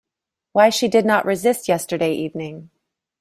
Why she did not resist yesterday evening?